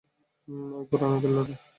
ঐ পুরোনো কেল্লাতে?